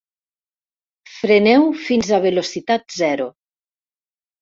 Freneu fins a velocitat zero.